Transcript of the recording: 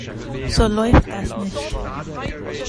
So läuft das nicht.